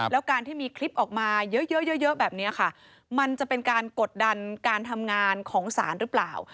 แล้วการที่มีคลิปออกมาเยอะแบบนี้ค่ะมันจะเป็นการกดดันการทำงานของศาลหรือเปล่า